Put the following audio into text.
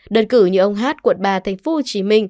đơn cử như ông hát quận ba tp hcm